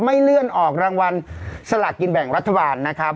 ไม่เลื่อนออกรางวัลสลากกินแบ่งรัฐบาลนะครับ